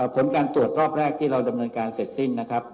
ผลการตรวจรอบแรกที่เราดำเนินการเสร็จสิ้นนะครับ